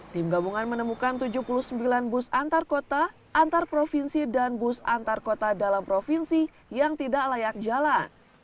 tim gabungan menemukan tujuh puluh sembilan bus antarkota antarprovinsi dan bus antarkota dalam provinsi yang tidak layak jalan